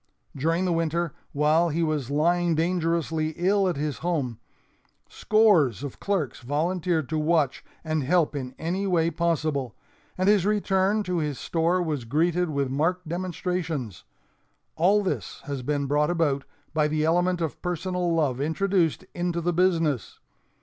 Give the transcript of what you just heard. During the winter, while he was lying dangerously ill at his home, scores of clerks volunteered to watch and help in any way possible, and his return to his store was greeted with marked demonstrations. All this has been brought about by the element of personal love introduced into the business.